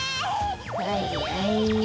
はいはい。